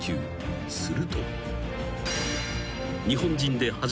［すると］